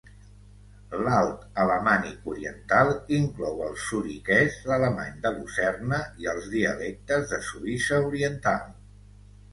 L'alt alamànic oriental inclou el zuriquès, l'alemany de Lucerna i els dialectes de Suïssa oriental.